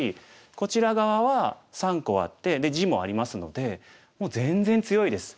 こちら側は３個あって地もありますのでもう全然強いです。